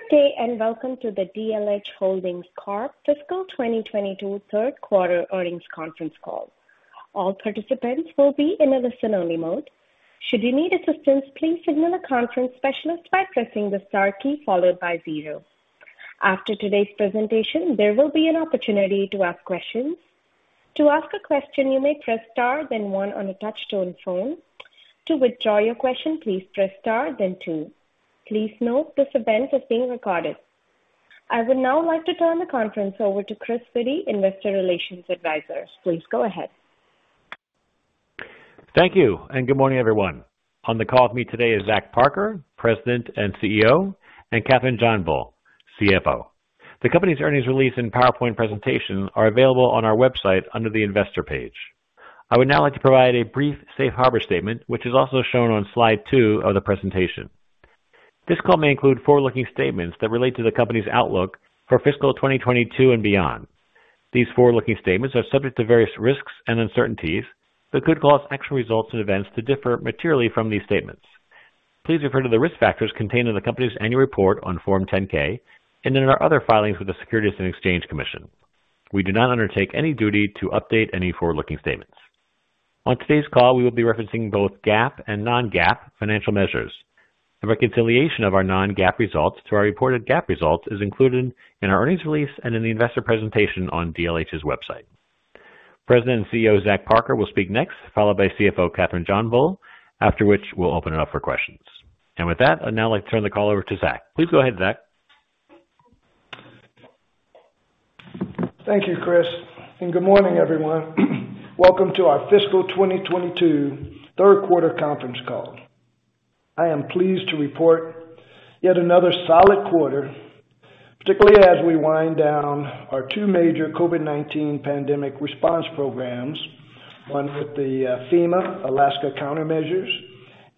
Good day, and welcome to the DLH Holdings Corp Fiscal 2022 Third Quarter Earnings Conference call. All participants will be in a listen-only mode. Should you need assistance, please signal a conference specialist by pressing the star key followed by zero. After today's presentation, there will be an opportunity to ask questions. To ask a question, you may press star then one on a touch-tone phone. To withdraw your question, please press star then two. Please note this event is being recorded. I would now like to turn the conference over to Chris Witty, Investor Relations. Please go ahead. Thank you, and good morning, everyone. On the call with me today is Zach Parker, President and CEO, and Kathryn JohnBull, CFO. The company's earnings release and PowerPoint presentation are available on our website under the investor page. I would now like to provide a brief Safe Harbor statement, which is also shown on slide two of the presentation. This call may include forward-looking statements that relate to the company's outlook for fiscal 2022 and beyond. These forward-looking statements are subject to various risks and uncertainties that could cause actual results and events to differ materially from these statements. Please refer to the risk factors contained in the company's annual report on Form 10-K and in our other filings with the Securities and Exchange Commission. We do not undertake any duty to update any forward-looking statements. On today's call, we will be referencing both GAAP and non-GAAP financial measures. The reconciliation of our non-GAAP results to our reported GAAP results is included in our earnings release and in the investor presentation on DLH's website. President and CEO Zach Parker will speak next, followed by CFO Kathryn JohnBull, after which we'll open it up for questions. With that, I'd now like to turn the call over to Zach. Please go ahead, Zach. Thank you, Chris, and good morning, everyone. Welcome to our Fiscal 2022 Third Quarter Conference Call. I am pleased to report yet another solid quarter, particularly as we wind down our two major COVID-19 pandemic response programs, one with the FEMA Alaska Countermeasures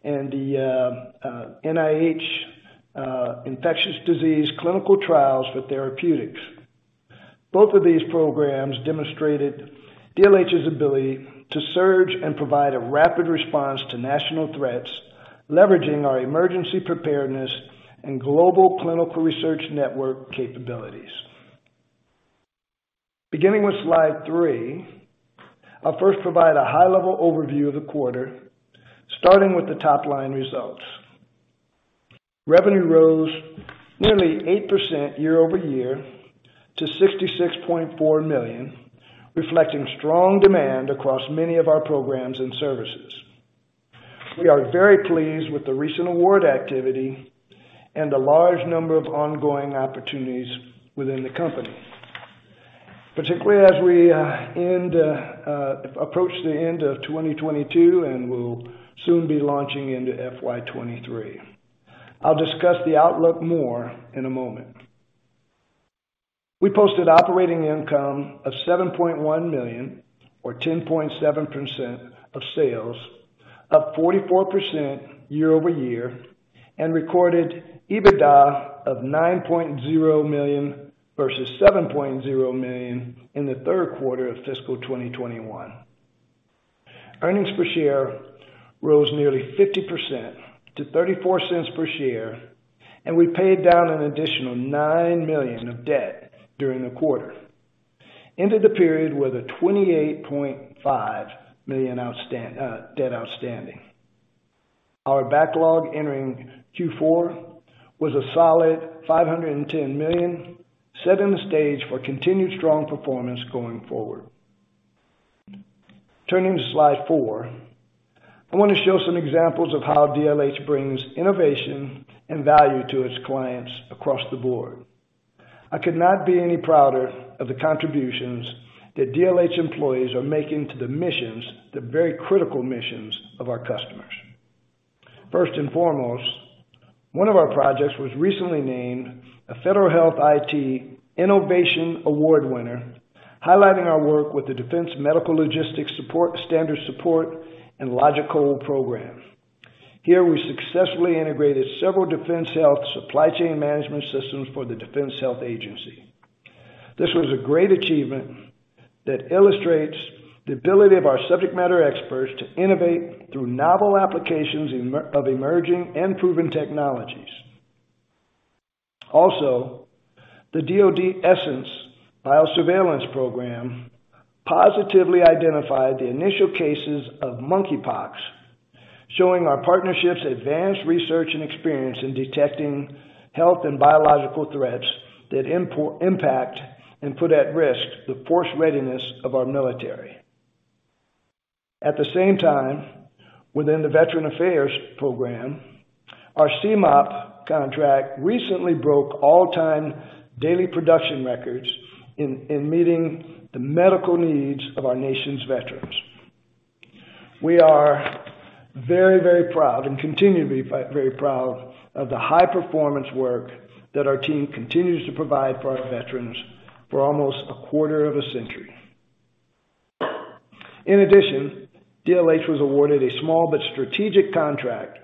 and the NIH Infectious Disease Clinical Trials for Therapeutics. Both of these programs demonstrated DLH's ability to surge and provide a rapid response to national threats, leveraging our emergency preparedness and global clinical research network capabilities. Beginning with slide three, I'll first provide a high-level overview of the quarter, starting with the top-line results. Revenue rose nearly 8% year-over-year to $66.4 million, reflecting strong demand across many of our programs and services. We are very pleased with the recent award activity and the large number of ongoing opportunities within the company, particularly as we approach the end of 2022 and will soon be launching into FY 2023. I'll discuss the outlook more in a moment. We posted operating income of $7.1 million or 10.7% of sales, up 44% year-over-year and recorded EBITDA of $9.0 million versus $7.0 million in the third quarter of fiscal 2021. Earnings per share rose nearly 50% to $0.34 per share, and we paid down an additional $9 million of debt during the quarter. We entered the period with $28.5 million outstanding debt. Our backlog entering Q4 was a solid $510 million, setting the stage for continued strong performance going forward. Turning to slide four, I want to show some examples of how DLH brings innovation and value to its clients across the board. I could not be any prouder of the contributions that DLH employees are making to the missions, the very critical missions of our customers. First and foremost, one of our projects was recently named a FedHealthIT Innovation Award winner, highlighting our work with the Defense Medical Logistics Standard Support. Here, we successfully integrated several Defense Health Supply Chain Management Systems for the Defense Health Agency. This was a great achievement that illustrates the ability of our subject matter experts to innovate through novel applications of emerging and proven technologies. Also, the DoD ESSENCE Biosurveillance Program positively identified the initial cases of monkeypox, showing our partnerships advanced research and experience in detecting health and biological threats that impact and put at risk the force readiness of our military. At the same time, within the Veterans Affairs program, our CMOP contract recently broke all-time daily production records in meeting the medical needs of our nation's veterans. We are very proud and continue to be very proud of the high-performance work that our team continues to provide for our veterans for almost a quarter of a century. In addition, DLH was awarded a small but strategic contract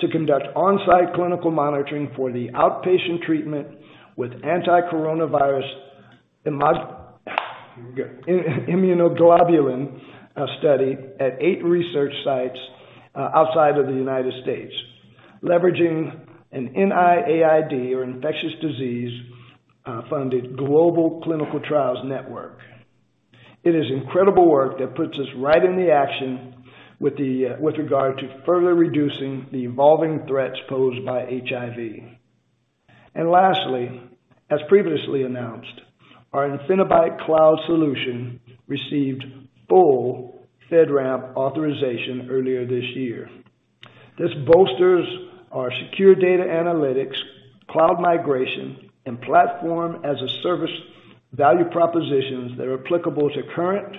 to conduct on-site clinical monitoring for the outpatient treatment with anti-coronavirus Immunoglobulin study at eight research sites outside of the U.S., leveraging an NIAID or infectious disease funded global clinical trials network. It is incredible work that puts us right in the action with the, with regard to further reducing the evolving threats posed by HIV. Lastly, as previously announced, our Infinibyte Cloud solution received full FedRAMP authorization earlier this year. This bolsters our secure data analytics, cloud migration, and platform-as-a-service value propositions that are applicable to current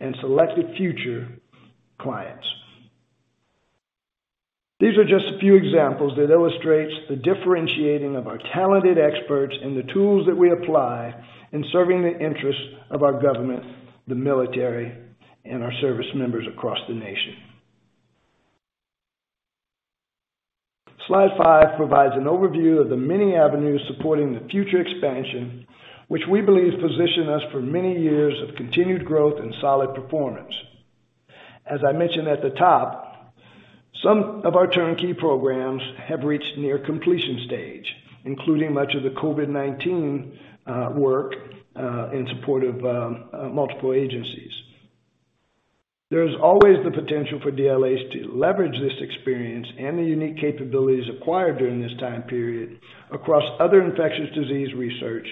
and selected future clients. These are just a few examples that illustrates the differentiating of our talented experts and the tools that we apply in serving the interests of our government, the military, and our service members across the nation. Slide five provides an overview of the many avenues supporting the future expansion, which we believe position us for many years of continued growth and solid performance. As I mentioned at the top, some of our turnkey programs have reached near completion stage, including much of the COVID-19 work in support of multiple agencies. There is always the potential for DLH to leverage this experience and the unique capabilities acquired during this time period across other infectious disease research,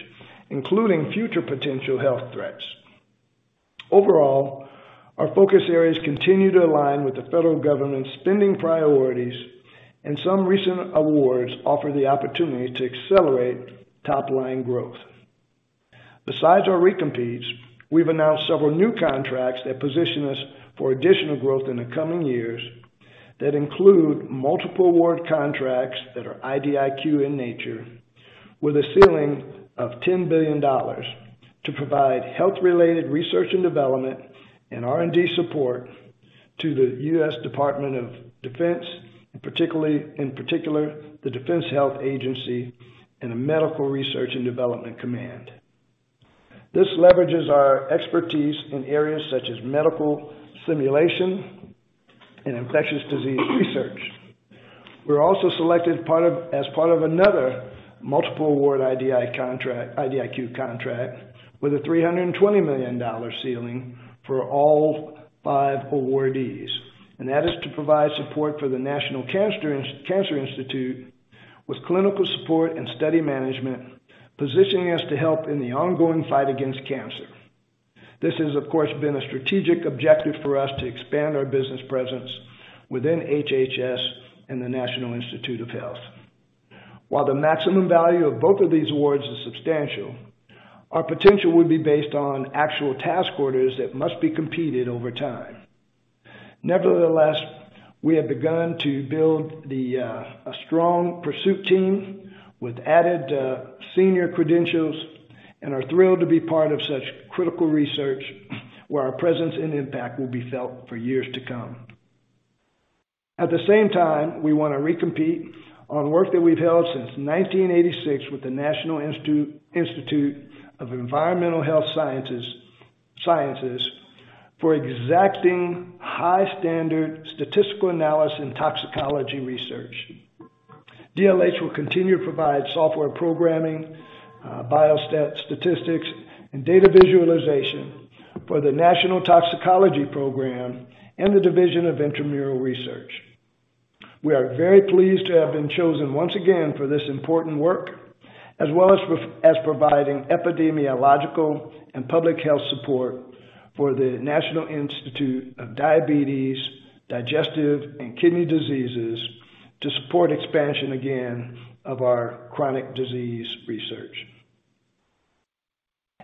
including future potential health threats. Overall, our focus areas continue to align with the federal government's spending priorities, and some recent awards offer the opportunity to accelerate top-line growth. Besides our recompetes, we've announced several new contracts that position us for additional growth in the coming years that include multiple award contracts that are ID/IQ in nature with a ceiling of $10 billion to provide health-related research and development and R&D support to the U.S. Department of Defense, and in particular, the Defense Health Agency and the Medical Research and Development Command. This leverages our expertise in areas such as medical simulation and infectious disease research. We're also as part of another multiple award ID/IQ contract with a $320 million ceiling for all five awardees. That is to provide support for the National Cancer Institute with clinical support and study management, positioning us to help in the ongoing fight against cancer. This has, of course, been a strategic objective for us to expand our business presence within HHS and the National Institutes of Health. While the maximum value of both of these awards is substantial, our potential would be based on actual task orders that must be competed over time. Nevertheless, we have begun to build a strong pursuit team with added senior credentials and are thrilled to be part of such critical research where our presence and impact will be felt for years to come. At the same time, we wanna recompete on work that we've held since 1986 with the National Institute of Environmental Health Sciences for exacting high-standard statistical analysis and toxicology research. DLH will continue to provide software programming, biostatistics, and data visualization for the National Toxicology Program and the Division of Intramural Research. We are very pleased to have been chosen once again for this important work, as well as providing epidemiological and public health support for the National Institute of Diabetes and Digestive and Kidney Diseases to support expansion again of our chronic disease research.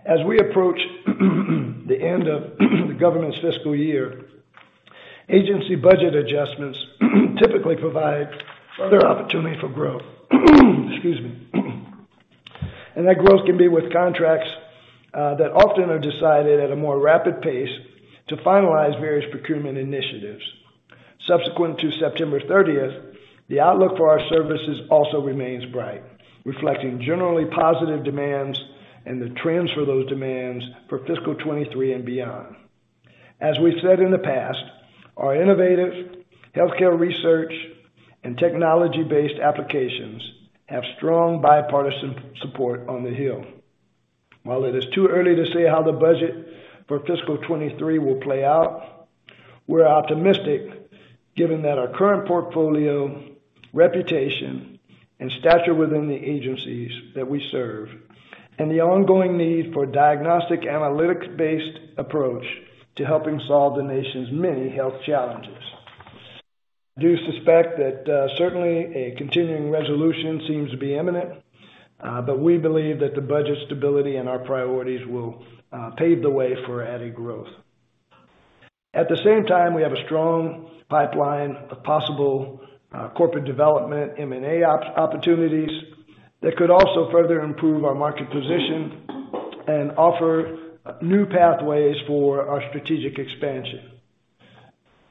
As we approach the end of the government's fiscal year, agency budget adjustments typically provide further opportunity for growth. Excuse me. That growth can be with contracts that often are decided at a more rapid pace to finalize various procurement initiatives. Subsequent to September 30th, the outlook for our services also remains bright, reflecting generally positive demands and the trends for those demands for fiscal 2023 and beyond. As we've said in the past, our innovative healthcare research and technology-based applications have strong bipartisan support on the Hill. While it is too early to say how the budget for fiscal 2023 will play out, we're optimistic given that our current portfolio, reputation, and stature within the agencies that we serve, and the ongoing need for diagnostic analytics-based approach to helping solve the nation's many health challenges. I do suspect that certainly a continuing resolution seems to be imminent, but we believe that the budget stability and our priorities will pave the way for added growth. At the same time, we have a strong pipeline of possible corporate development, M&A opportunities that could also further improve our market position and offer new pathways for our strategic expansion.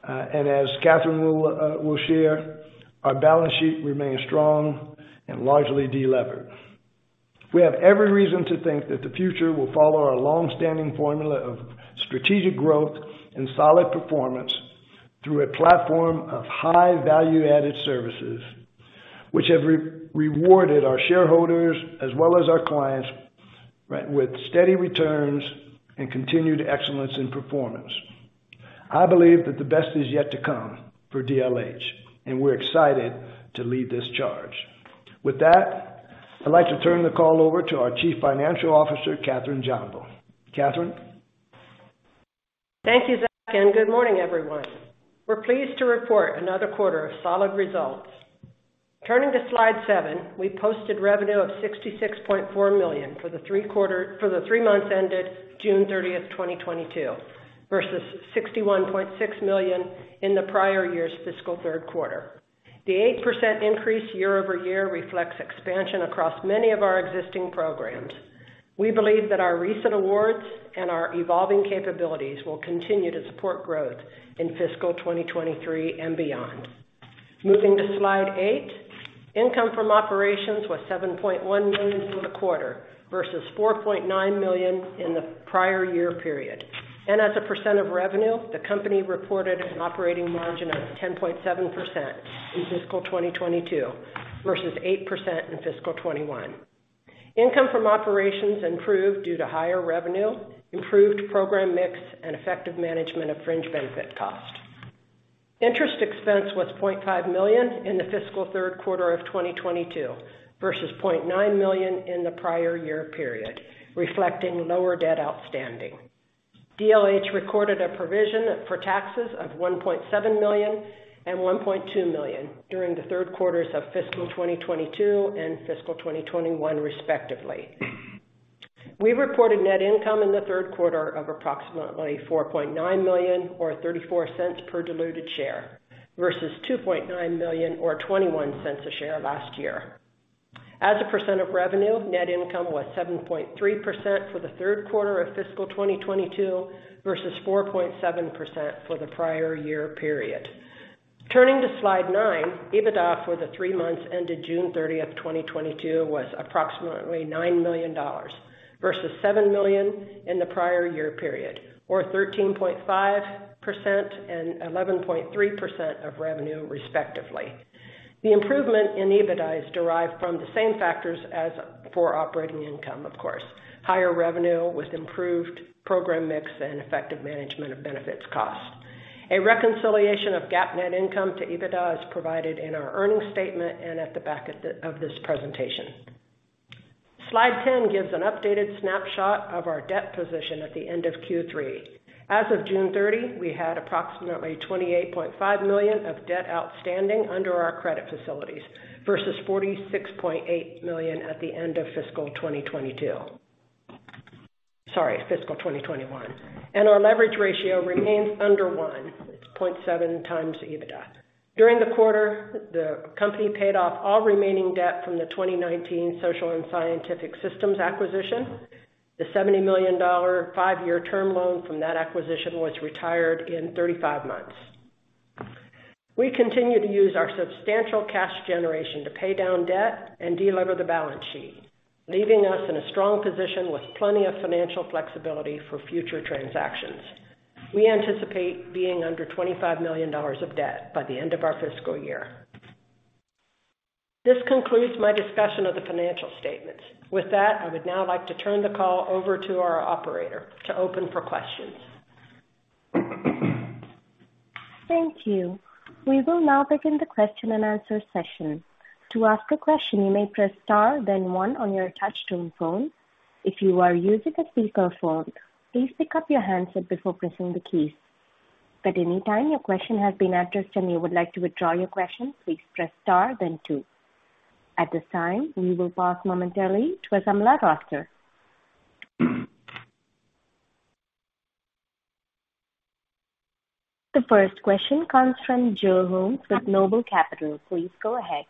As Kathryn will share, our balance sheet remains strong and largely delevered. We have every reason to think that the future will follow our long-standing formula of strategic growth and solid performance through a platform of high value-added services, which have rewarded our shareholders as well as our clients, right, with steady returns and continued excellence in performance. I believe that the best is yet to come for DLH, and we're excited to lead this charge. With that, I'd like to turn the call over to our Chief Financial Officer, Kathryn JohnBull. Kathryn? Thank you, Zach, and good morning, everyone. We're pleased to report another quarter of solid results. Turning to slide seven, we posted revenue of $66.4 million for the three months ended June 30th, 2022 versus $61.6 million in the prior year's fiscal third quarter. The 8% increase year-over-year reflects expansion across many of our existing programs. We believe that our recent awards and our evolving capabilities will continue to support growth in fiscal 2023 and beyond. Moving to slide eight, income from operations was $7.1 million for the quarter versus $4.9 million in the prior year period. As a % of revenue, the company reported an operating margin of 10.7% in fiscal 2022 versus 8% in fiscal 2021. Income from operations improved due to higher revenue, improved program mix, and effective management of fringe benefit costs. Interest expense was $0.5 million in the fiscal third quarter of 2022 versus $0.9 million in the prior year period, reflecting lower debt outstanding. DLH recorded a provision for taxes of $1.7 million and $1.2 million during the third quarters of fiscal 2022 and fiscal 2021, respectively. We reported net income in the third quarter of approximately $4.9 million or $0.34 per diluted share versus $2.9 million or $0.21 a share last year. As a % of revenue, net income was 7.3% for the third quarter of fiscal 2022 versus 4.7% for the prior year period. Turning to slide nine, EBITDA for the three months ended June 30th, 2022 was approximately $9 million versus $7 million in the prior year period, or 13.5% and 11.3% of revenue, respectively. The improvement in EBITDA is derived from the same factors as for operating income, of course. Higher revenue with improved program mix and effective management of benefits costs. A reconciliation of GAAP net income to EBITDA is provided in our earnings statement and at the back of this presentation. Slide 10 gives an updated snapshot of our debt position at the end of Q3. As of June 30, we had approximately $28.5 million of debt outstanding under our credit facilities versus $46.8 million at the end of fiscal 2022. Sorry, fiscal 2021. Our leverage ratio remains under 1x. It's 0.7x the EBITDA. During the quarter, the company paid off all remaining debt from the 2019 Social & Scientific Systems acquisition. The $70 million five-year term loan from that acquisition was retired in 35 months. We continue to use our substantial cash generation to pay down debt and delever the balance sheet, leaving us in a strong position with plenty of financial flexibility for future transactions. We anticipate being under $25 million of debt by the end of our fiscal year. This concludes my discussion of the financial statements. With that, I would now like to turn the call over to our Operator to open for questions. Thank you. We will now begin the question-and-answer session. To ask a question, you may press star then one on your touch tone phone. If you are using a speakerphone, please pick up your handset before pressing the keys. At any time your question has been addressed and you would like to withdraw your question, please press star then two. At this time, we will pause momentarily to assemble our roster. The first question comes from Joe Gomes with Noble Capital Markets. Please go ahead.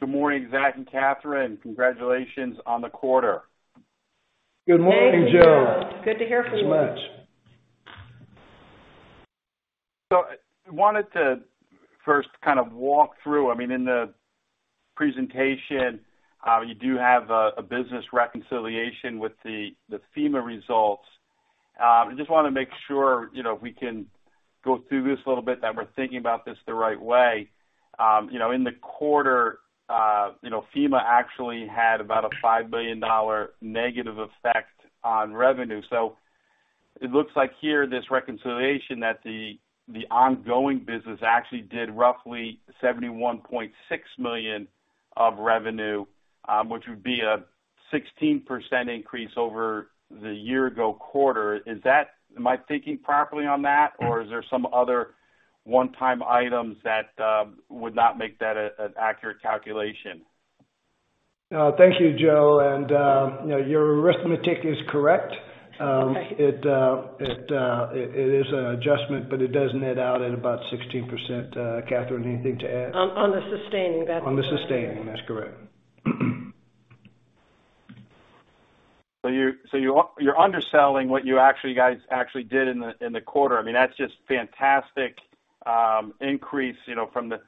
Good morning, Zach and Kathryn. Congratulations on the quarter. Good morning, Joe. Thank you, Joe. Good to hear from you. Thanks so much. I wanted to first kind of walk through, I mean, in the presentation, you do have a business reconciliation with the FEMA results. I just wanna make sure, you know, if we can go through this a little bit, that we're thinking about this the right way. You know, in the quarter, you know, FEMA actually had about a $5 billion negative effect on revenue. It looks like here, this reconciliation that the ongoing business actually did roughly $71.6 million of revenue, which would be a 16% increase over the year-ago quarter. Is that? Am I thinking properly on that? Or is there some other one-time items that would not make that an accurate calculation? Thank you, Joe. You know, your arithmetic is correct. It is an adjustment, but it does net out at about 16%. Kathryn, anything to add? On the sustaining, that's correct. On the sustaining, that's correct. You're underselling what you actually guys actually did in the quarter. I mean, that's just fantastic increase, you know, from the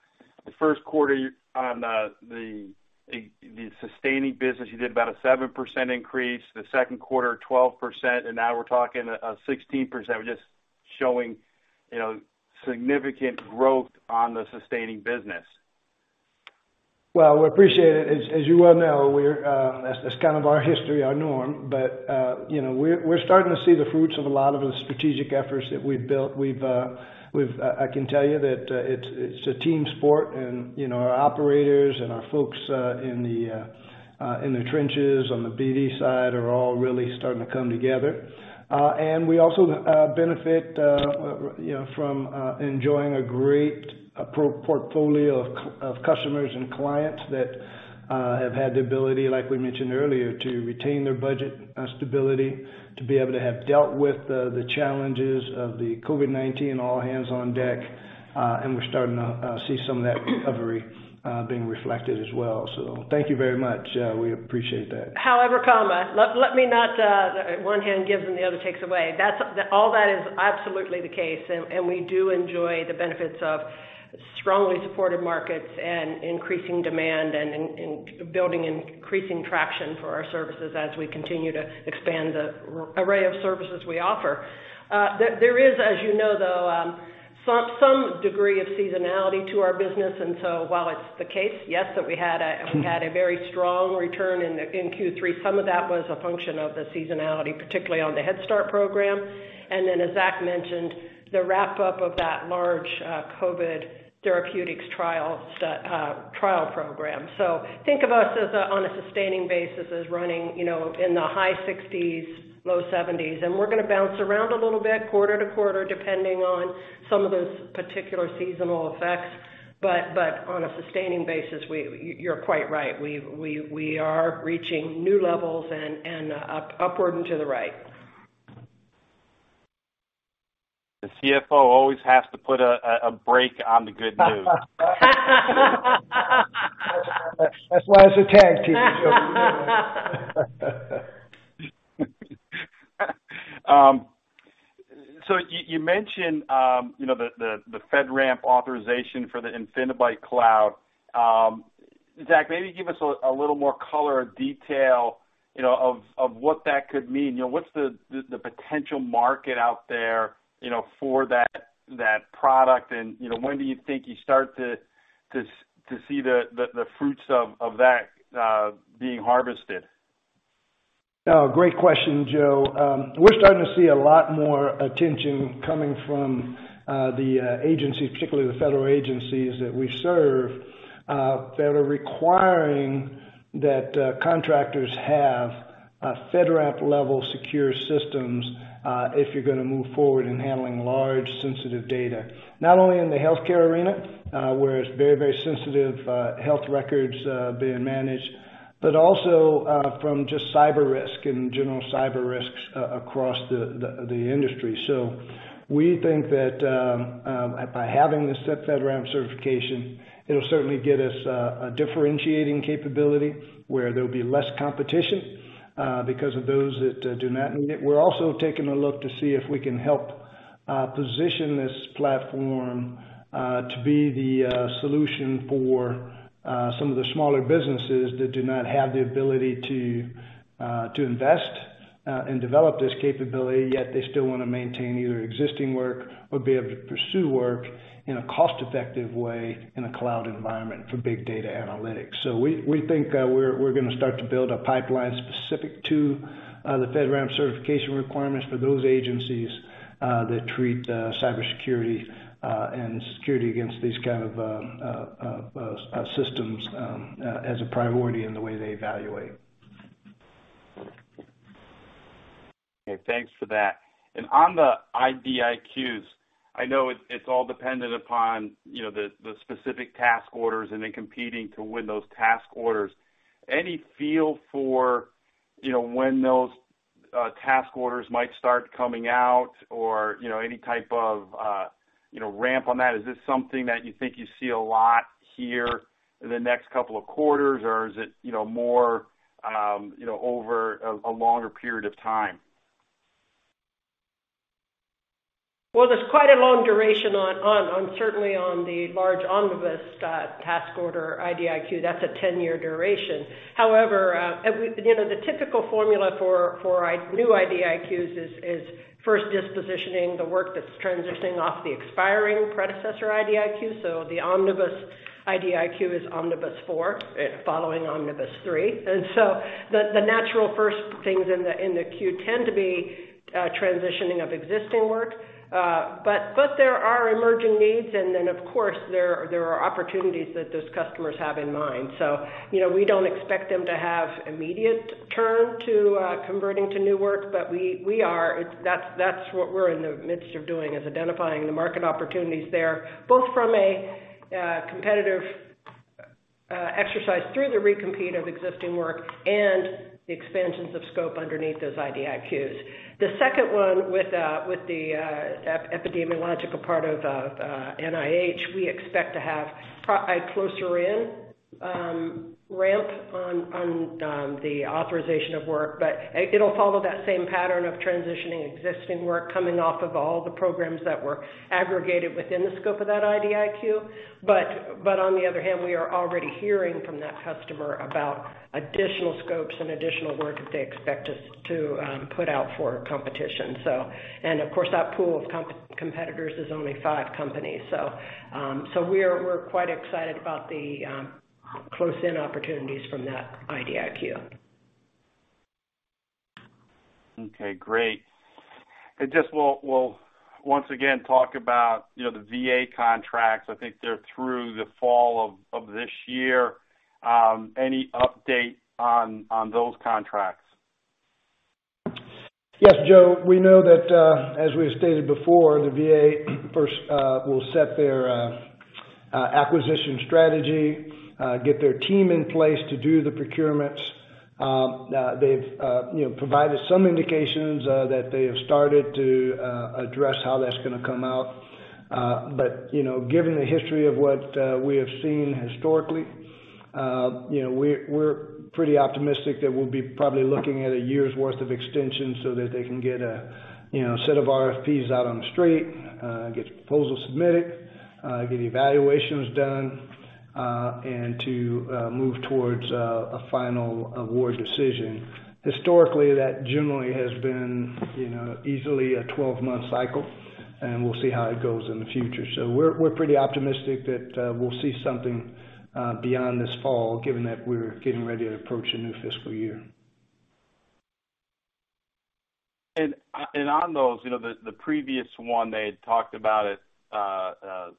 first quarter on the sustaining business. You did about a 7% increase. The second quarter, 12%, and now we're talking a 16%. We're just showing, you know, significant growth on the sustaining business. Well, we appreciate it. As you well know, that's kind of our history, our norm. You know, we're starting to see the fruits of a lot of the strategic efforts that we've built. I can tell you that it's a team sport and you know, our operators and our folks in the trenches on the BD side are all really starting to come together. We also benefit you know, from enjoying a great portfolio of customers and clients that have had the ability, like we mentioned earlier, to retain their budget stability, to be able to have dealt with the challenges of the COVID-19 all hands on deck. We're starting to see some of that recovery being reflected as well. Thank you very much. We appreciate that. However, one hand gives and the other takes away. That's all that is absolutely the case. We do enjoy the benefits of strongly supported markets and increasing demand and building increasing traction for our services as we continue to expand the array of services we offer. There is, as you know, though, some degree of seasonality to our business. While it's the case, yes, that we had a very strong return in Q3, some of that was a function of the seasonality, particularly on the Head Start program. As Zach mentioned, the wrap up of that large COVID therapeutics trial program. Think of us on a sustaining basis as running, you know, in the high 60s%-low 70s%. We're gonna bounce around a little bit quarter-to-quarter, depending on some of those particular seasonal effects. But on a sustaining basis, we're quite right. We are reaching new levels and upward and to the right. The CFO always has to put a brake on the good news. That's why it's a tag team. You mentioned you know the FedRAMP authorization for the Infinibyte cloud. Zach, maybe give us a little more color or detail of what that could mean. You know, what's the potential market out there for that product? You know, when do you think you start to see the fruits of that being harvested? Oh, great question, Joe. We're starting to see a lot more attention coming from the agencies, particularly the federal agencies that we serve, that are requiring that contractors have a FedRAMP level secure systems, if you're gonna move forward in handling large sensitive data. Not only in the healthcare arena, where it's very, very sensitive, health records being managed, but also from just cyber risk and general cyber risks across the industry. We think that by having this FedRAMP certification, it'll certainly get us a differentiating capability where there'll be less competition, because of those that do not meet it. We're also taking a look to see if we can help position this platform to be the solution for some of the smaller businesses that do not have the ability to invest and develop this capability, yet they still wanna maintain either existing work or be able to pursue work in a cost-effective way in a cloud environment for big data analytics. We think we're gonna start to build a pipeline specific to the FedRAMP certification requirements for those agencies that treat cybersecurity and security against these kind of systems as a priority in the way they evaluate. Okay, thanks for that. On the ID/IQs, I know it's all dependent upon, you know, the specific task orders and then competing to win those task orders. Any feel for, you know, when those task orders might start coming out or, you know, any type of ramp on that? Is this something that you think you see a lot here in the next couple of quarters, or is it, you know, more, you know, over a longer period of time? Well, there's quite a long duration on certainly on the large omnibus task order ID/IQ. That's a 10-year duration. However, you know, the typical formula for new ID/IQs is first dispositioning the work that's transitioning off the expiring predecessor ID/IQ. So the omnibus ID/IQ is omnibus four, following omnibus three. The natural first things in the queue tend to be transitioning of existing work. But there are emerging needs. And then, of course, there are opportunities that those customers have in mind. So, you know, we don't expect them to have immediate turn to converting to new work. That's what we're in the midst of doing, is identifying the market opportunities there, both from a competitive exercise through the recompete of existing work and the expansions of scope underneath those ID/IQs. The second one with the epidemiological part of NIH, we expect to have a closer ramp on the authorization of work, but it'll follow that same pattern of transitioning existing work coming off of all the programs that were aggregated within the scope of that ID/IQ. On the other hand, we are already hearing from that customer about additional scopes and additional work that they expect us to put out for competition. Of course, that pool of competitors is only five companies. We're quite excited about the close-in opportunities from that ID/IQ. Okay, great. Just we'll once again talk about, you know, the VA contracts. I think they're through the fall of this year. Any update on those contracts? Yes, Joe. We know that, as we have stated before, the VA first will set their acquisition strategy, get their team in place to do the procurements. They've, you know, provided some indications that they have started to address how that's gonna come out. But, you know, given the history of what we have seen historically, you know, we're pretty optimistic that we'll be probably looking at a year's worth of extensions so that they can get a, you know, set of RFPs out on the street, get proposals submitted, get evaluations done, and to move towards a final award decision. Historically, that generally has been, you know, easily a 12-month cycle, and we'll see how it goes in the future. We're pretty optimistic that we'll see something beyond this fall, given that we're getting ready to approach a new fiscal year. On those, you know, the previous one, they had talked about it, a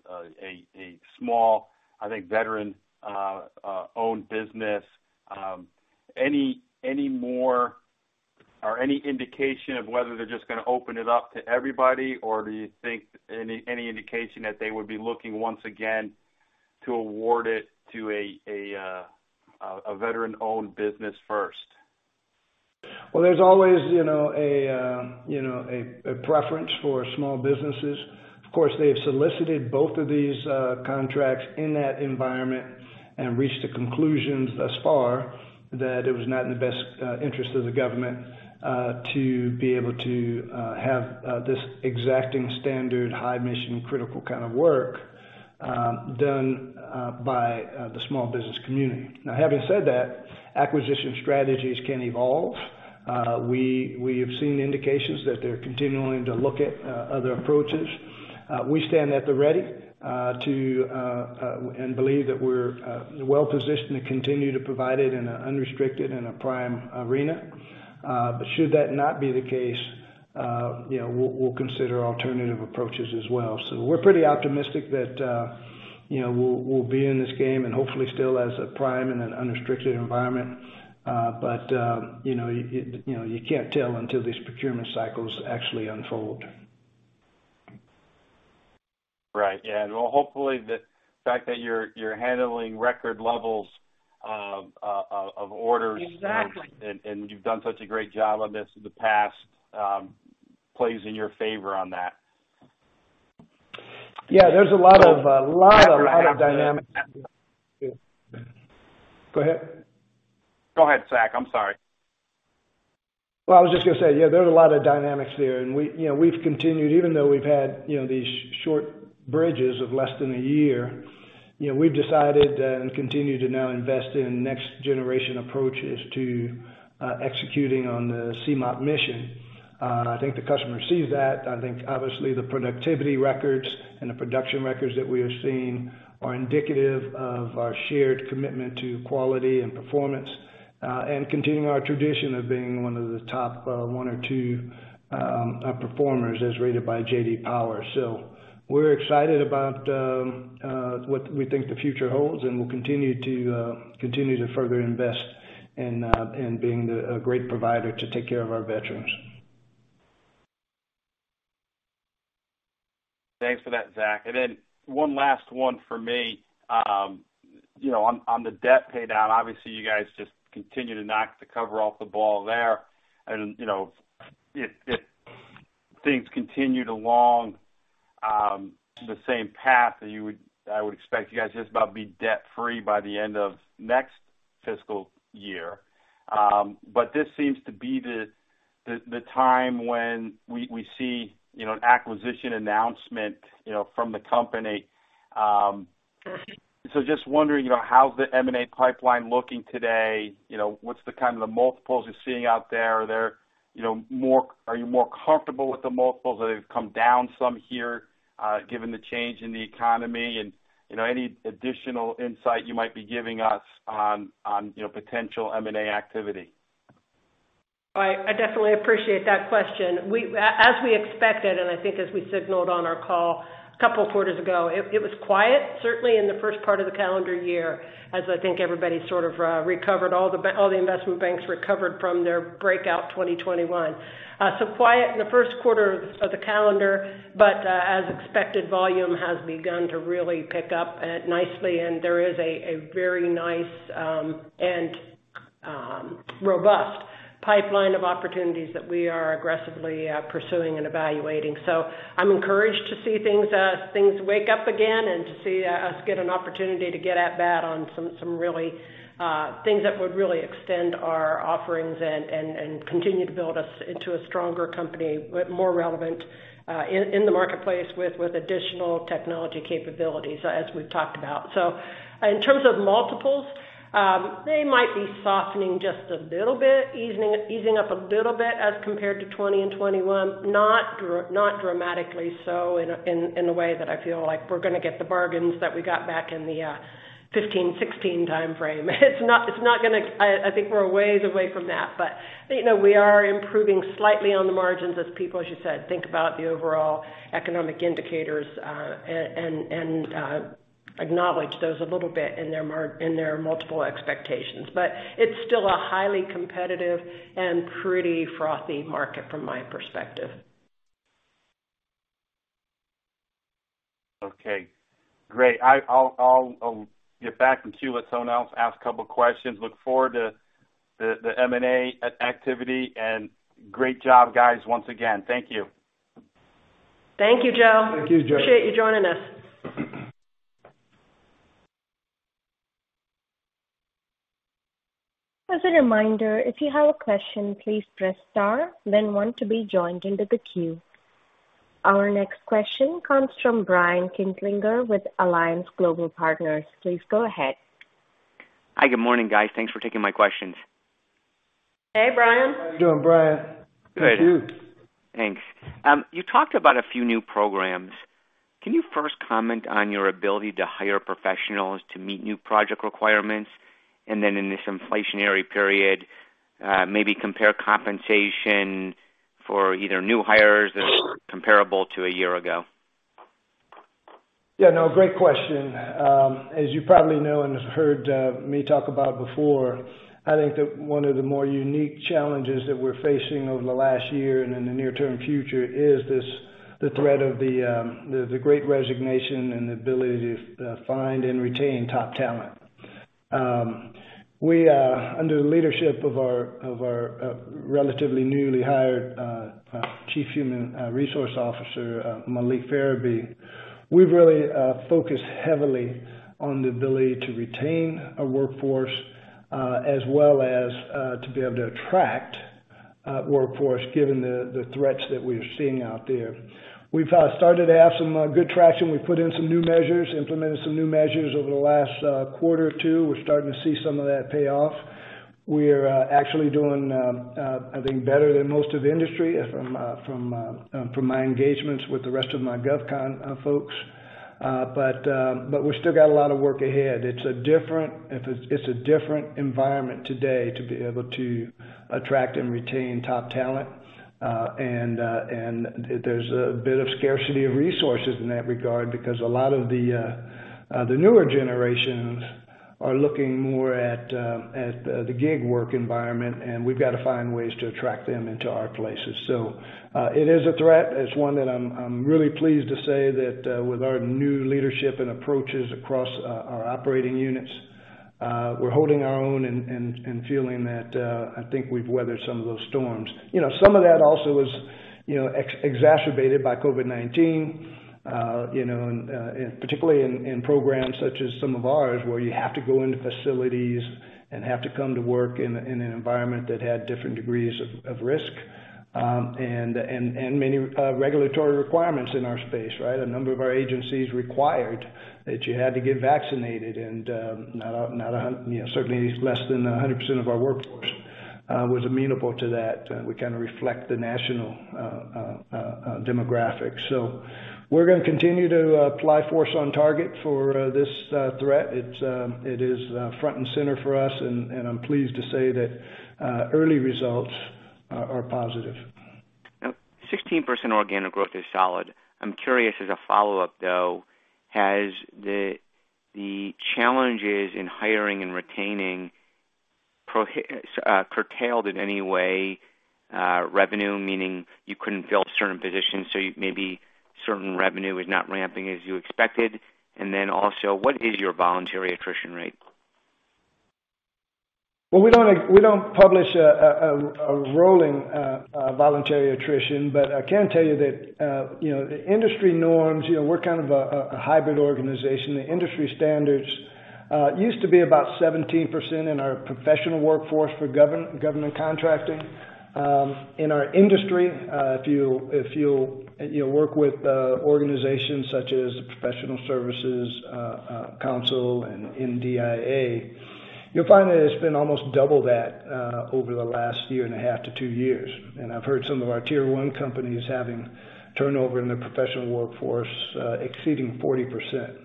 small, I think, veteran-owned business. Any more or any indication of whether they're just gonna open it up to everybody? Or do you think any indication that they would be looking once again to award it to a veteran-owned business first? Well, there's always, you know, a preference for small businesses. Of course, they have solicited both of these contracts in that environment and reached the conclusions thus far that it was not in the best interest of the government to be able to have this exacting standard, high mission critical kind of work done by the small business community. Now, having said that, acquisition strategies can evolve. We have seen indications that they're continuing to look at other approaches. We stand at the ready and believe that we're well-positioned to continue to provide it in an unrestricted and a prime arena. Should that not be the case, you know, we'll consider alternative approaches as well. We're pretty optimistic that, you know, we'll be in this game and hopefully still as a prime in an unrestricted environment. You know, it, you know, you can't tell until these procurement cycles actually unfold. Right. Yeah. Hopefully, the fact that you're handling record levels of orders. Exactly. You've done such a great job on this in the past, plays in your favor on that. Yeah, there's a lot of dynamics. Go ahead. Go ahead, Zach. I'm sorry. Well, I was just gonna say, yeah, there's a lot of dynamics there. We, you know, we've continued, even though we've had, you know, these short bridges of less than a year, you know, we've decided and continue to now invest in next generation approaches to executing on the CMOP mission. I think the customer sees that. I think obviously the productivity records and the production records that we have seen are indicative of our shared commitment to quality and performance, and continuing our tradition of being one of the top, one or two, performers as rated by J.D. Power. We're excited about what we think the future holds, and we'll continue to further invest in being a great provider to take care of our veterans. Thanks for that, Zach. One last one for me. You know, on the debt paydown, obviously, you guys just continue to knock the cover off the ball there. You know, if things continue along the same path I would expect you guys just about be debt-free by the end of next fiscal year. This seems to be the time when we see, you know, an acquisition announcement, you know, from the company. Just wondering, you know, how's the M&A pipeline looking today? You know, what's the kind of the multiples you're seeing out there? Are you more comfortable with the multiples? Have they come down some here, given the change in the economy? You know, any additional insight you might be giving us on, you know, potential M&A activity? I definitely appreciate that question. As we expected, and I think as we signaled on our call a couple of quarters ago, it was quiet, certainly in the first part of the calendar year, as I think everybody sort of recovered. All the investment banks recovered from their breakout 2021. So quiet in the first quarter of the calendar, but as expected, volume has begun to really pick up nicely. And there is a very nice and robust pipeline of opportunities that we are aggressively pursuing and evaluating. I'm encouraged to see things wake up again and to see us get an opportunity to get at bat on some really things that would really extend our offerings and continue to build us into a stronger company. More relevant in the marketplace with additional technology capabilities as we've talked about. In terms of multiples, they might be softening just a little bit, easing up a little bit as compared to 2020 and 2021. Not dramatically so in a way that I feel like we're gonna get the bargains that we got back in the 2015, 2016 timeframe. It's not gonna. I think we're a ways away from that, but you know, we are improving slightly on the margins as people, as you said, think about the overall economic indicators and acknowledge those a little bit in their multiple expectations. It's still a highly competitive and pretty frothy market from my perspective. Okay, great. I'll get back in queue. Let someone else ask a couple questions. Look forward to the M&A activity and great job, guys, once again. Thank you. Thank you, Joe. Thank you, Joe. Appreciate you joining us. As a reminder, if you have a question, please press star then one to be joined into the queue. Our next question comes from Brian Kinstlinger with Alliance Global Partners. Please go ahead. Hi. Good morning, guys. Thanks for taking my questions. Hey, Brian. How you doing, Brian? Good. Thank you. Thanks. You talked about a few new programs. Can you first comment on your ability to hire professionals to meet new project requirements? In this inflationary period, maybe compare compensation for either new hires that are comparable to a year ago. Yeah, no, great question. As you probably know and have heard me talk about before, I think that one of the more unique challenges that we're facing over the last year and in the near term future is the threat of the great resignation and the ability to find and retain top talent. We, under the leadership of our relatively newly hired Chief Human Resources Officer, Maliek Ferebee, have really focused heavily on the ability to retain a workforce, as well as to be able to attract workforce given the threats that we're seeing out there. We've started to have some good traction. We've put in some new measures, implemented some new measures over the last quarter or two. We're starting to see some of that pay off. We're actually doing, I think, better than most of the industry from my engagements with the rest of my gov con folks. We've still got a lot of work ahead. It's a different environment today to be able to attract and retain top talent. There's a bit of scarcity of resources in that regard because a lot of the newer generations are looking more at the gig work environment, and we've got to find ways to attract them into our places. It is a threat. It's one that I'm really pleased to say that with our new leadership and approaches across our operating units, we're holding our own and feeling that I think we've weathered some of those storms. You know, some of that also was, you know, exacerbated by COVID-19, you know, and particularly in programs such as some of ours, where you have to go into facilities and have to come to work in an environment that had different degrees of risk. And many regulatory requirements in our space, right? A number of our agencies required that you had to get vaccinated and, you know, certainly less than 100% of our workforce was amenable to that. We kinda reflect the national demographic. We're gonna continue to apply force on target for this threat. It is front and center for us, and I'm pleased to say that early results are positive. 16% organic growth is solid. I'm curious as a follow-up, though. Has the challenges in hiring and retaining curtailed in any way revenue? Meaning you couldn't build certain positions, so maybe certain revenue is not ramping as you expected. What is your voluntary attrition rate? We don't publish a rolling voluntary attrition, but I can tell you that you know the industry norms you know we're kind of a hybrid organization. The industry standards used to be about 17% in our professional workforce for government contracting. In our industry, if you'll you know work with organizations such as Professional Services Council and NDIA, you'll find that it's been almost double that over the last year and a half to two years. I've heard some of our Tier 1 companies having turnover in their professional workforce exceeding 40%.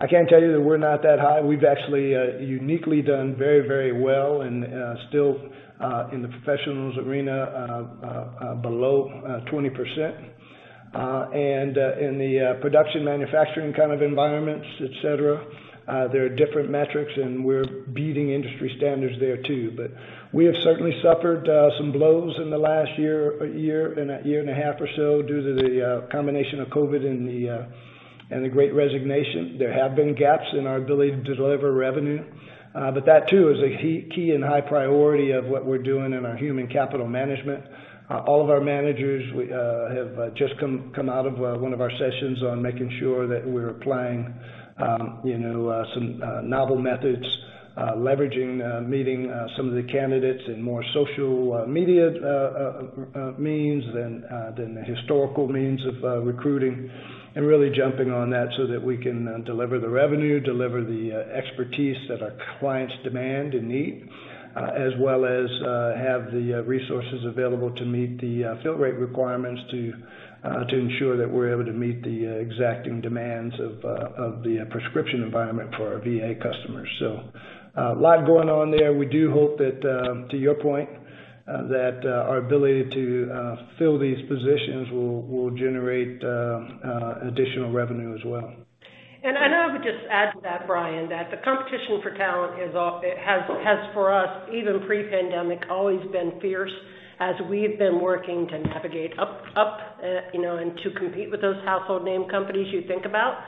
I can tell you that we're not that high. We've actually uniquely done very very well and still in the professionals arena below 20%. In the production manufacturing kind of environments, et cetera, there are different metrics, and we're beating industry standards there too, but we have certainly suffered some blows in the last year or in a year and a half or so due to the combination of COVID and the great resignation. There have been gaps in our ability to deliver revenue, but that too is a key and high priority of what we're doing in our human capital management. All of our managers have just come out of one of our sessions on making sure that we're applying, you know, some novel methods, leveraging meeting some of the candidates in more social media means than the historical means of recruiting and really jumping on that so that we can deliver the revenue, deliver the expertise that our clients demand and need, as well as have the resources available to meet the fill rate requirements to ensure that we're able to meet the exacting demands of the prescription environment for our VA customers. A lot going on there. We do hope that, to your point, that our ability to fill these positions will generate additional revenue as well. I would just add to that, Brian, that the competition for talent has for us, even pre-pandemic, always been fierce as we've been working to navigate up, you know, and to compete with those household name companies you think about.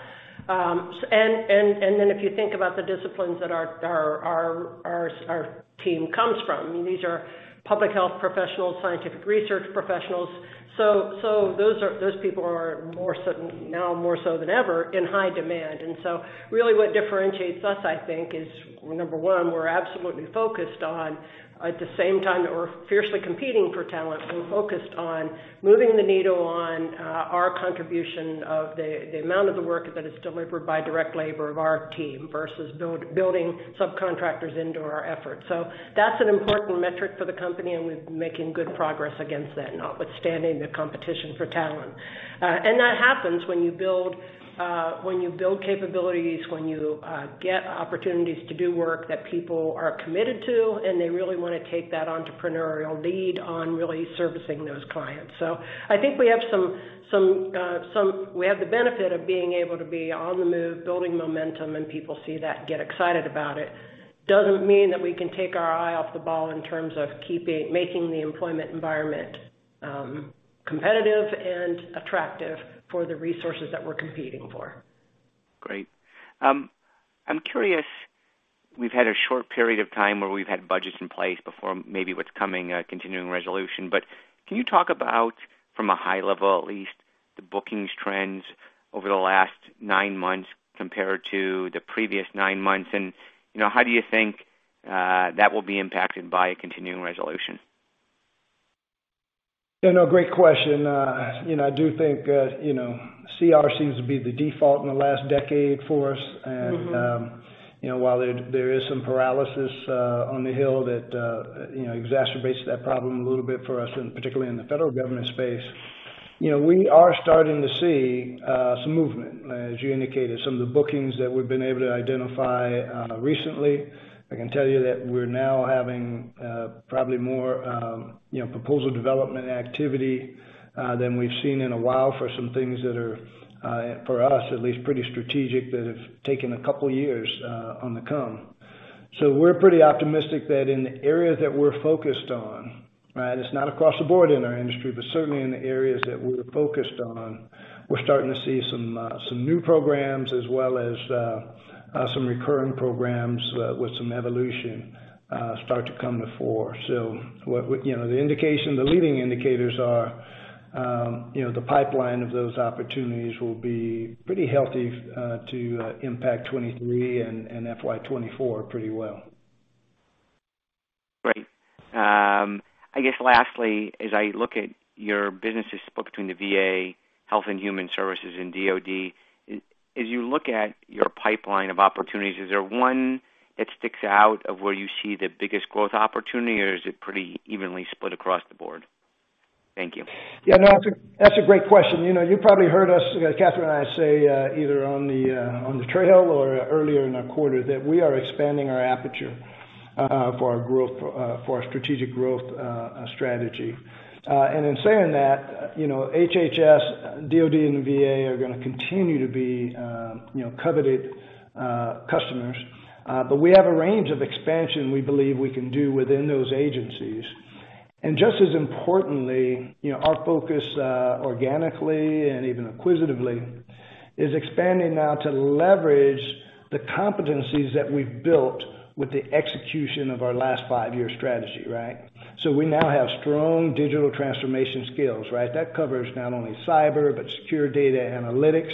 Then if you think about the disciplines that our team comes from, I mean, these are public health professionals, scientific research professionals. Those people are more so now than ever in high demand. Really what differentiates us, I think, is, number one, we're absolutely focused on, at the same time that we're fiercely competing for talent, we're focused on moving the needle on, our contribution of the amount of the work that is delivered by direct labor of our team versus building subcontractors into our efforts. That's an important metric for the company, and we're making good progress against that, notwithstanding the competition for talent. That happens when you build capabilities, when you get opportunities to do work that people are committed to, and they really wanna take that entrepreneurial lead on really servicing those clients. I think we have some. We have the benefit of being able to be on the move, building momentum, and people see that and get excited about it. Doesn't mean that we can take our eye off the ball in terms of making the employment environment competitive and attractive for the resources that we're competing for. Great. I'm curious, we've had a short period of time where we've had budgets in place before maybe what's coming, continuing resolution. Can you talk about, from a high level at least, the bookings trends over the last nine months compared to the previous nine months? You know, how do you think that will be impacted by a continuing resolution? You know, great question. You know, I do think, you know, CR seems to be the default in the last decade for us. Mm-hmm. You know, while there is some paralysis on the Hill that you know, exacerbates that problem a little bit for us, and particularly in the federal government space. You know, we are starting to see some movement, as you indicated, some of the bookings that we've been able to identify recently. I can tell you that we're now having probably more you know, proposal development activity than we've seen in a while for some things that are for us at least, pretty strategic, that have taken a couple years on the come. We're pretty optimistic that in the areas that we're focused on, right? It's not across the board in our industry, but certainly in the areas that we're focused on, we're starting to see some new programs as well as some recurring programs with some evolution start to come to fore. The leading indicators are, you know, the pipeline of those opportunities will be pretty healthy to impact 2023 and FY 2024 pretty well. Great. I guess lastly, as I look at your business split between the VA, Health and Human Services, and DoD, as you look at your pipeline of opportunities, is there one that sticks out of where you see the biggest growth opportunity, or is it pretty evenly split across the board? Thank you. Yeah, no, that's a great question. You know, you probably heard us, Kathryn and I say, either on the trail or earlier in the quarter, that we are expanding our aperture for our strategic growth strategy. In saying that, you know, HHS, DoD, and the VA are gonna continue to be, you know, coveted customers. We have a range of expansion we believe we can do within those agencies. Just as importantly, you know, our focus organically and even acquisitively is expanding now to leverage the competencies that we've built with the execution of our last five-year strategy, right? We now have strong digital transformation skills, right? That covers not only cyber, but secure data analytics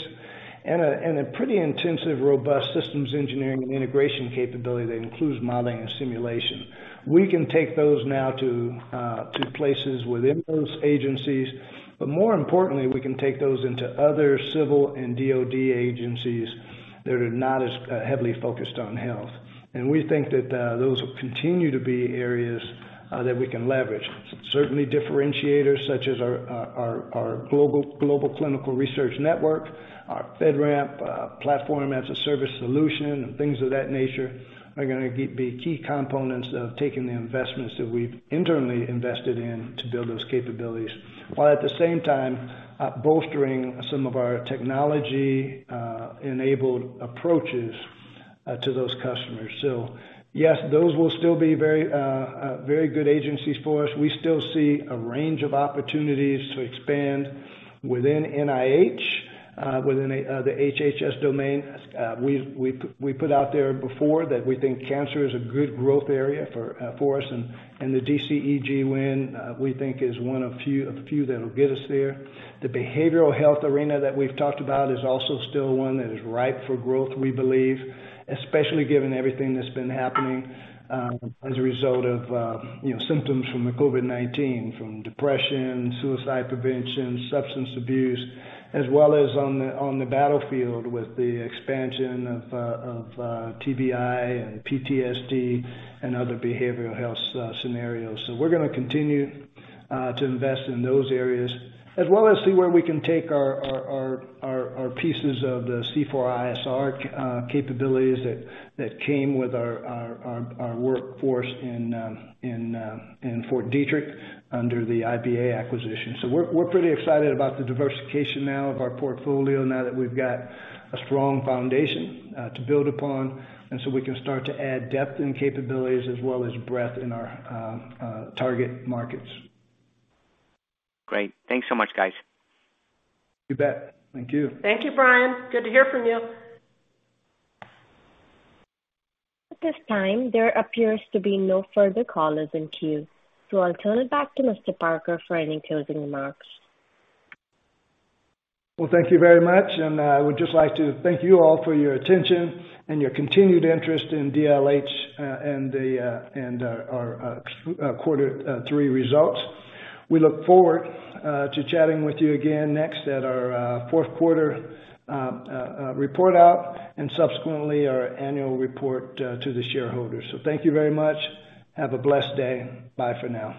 and a pretty intensive, robust systems engineering and integration capability that includes modeling and simulation. We can take those now to places within those agencies, but more importantly, we can take those into other civil and DoD agencies that are not as heavily focused on health. We think that those will continue to be areas that we can leverage. Certainly differentiators such as our global clinical research network, our FedRAMP platform as a service solution, and things of that nature are gonna be key components of taking the investments that we've internally invested in to build those capabilities. While at the same time, bolstering some of our technology enabled approaches to those customers. Yes, those will still be very good agencies for us. We still see a range of opportunities to expand within NIH, within the HHS domain. We put out there before that we think cancer is a good growth area for us, and the DCEG win we think is one of few that'll get us there. The behavioral health arena that we've talked about is also still one that is ripe for growth, we believe, especially given everything that's been happening, as a result of you know, symptoms from the COVID-19. From depression, suicide prevention, substance abuse, as well as on the battlefield with the expansion of TBI and PTSD and other behavioral health scenarios. We're gonna continue to invest in those areas as well as see where we can take our pieces of the C4ISR capabilities that came with our workforce in Fort Detrick under the IBA acquisition. We're pretty excited about the diversification now of our portfolio now that we've got a strong foundation to build upon, and we can start to add depth and capabilities as well as breadth in our target markets. Great. Thanks so much, guys. You bet. Thank you. Thank you, Brian. Good to hear from you. At this time, there appears to be no further callers in queue, so I'll turn it back to Mr. Parker for any closing remarks. Well, thank you very much, and I would just like to thank you all for your attention and your continued interest in DLH, and our quarter three results. We look forward to chatting with you again next at our fourth quarter report out and subsequently our annual report to the shareholders. Thank you very much. Have a blessed day. Bye for now.